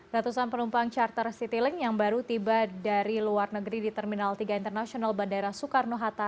ratusan penumpang charter citylink yang baru tiba dari luar negeri di terminal tiga internasional bandara soekarno hatta